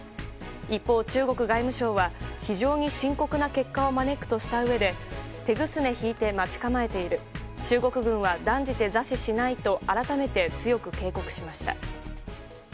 一方、中国外務省は非常に深刻な結果を招くとしたうえで手ぐすね引いて待ち構えている中国軍は断じて座視しないと改めて強く警告しました。